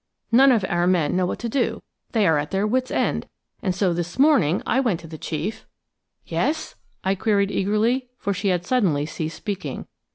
None of our men know what to do; they are at their wits' end, and so this morning I went to the chief–" "Yes?" I queried eagerly, for she had suddenly ceased speaking.